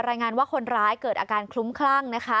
รายงานว่าคนร้ายเกิดอาการคลุ้มคลั่งนะคะ